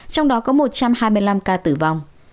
trong đó có một trăm hai mươi năm ca tử vong